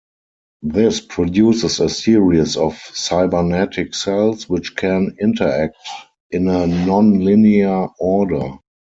This produces a series of cybernetic cells, which can interact in a non-linear order.